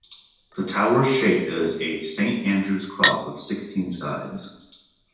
The tower's shape is a Saint Andrew's Cross with sixteen sides.